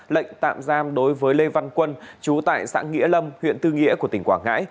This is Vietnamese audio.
lệnh tạm giam đối với lê văn quân chú tại xã nghĩa lâm huyện tư nghĩa của tỉnh quảng ngãi